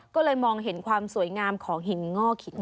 ก็เลยมองเห็นความสวยงามของหินงอกหิน